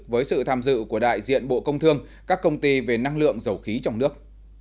với sự tham dự của đại diện bộ công thương các công ty về năng lượng dầu khí trong nước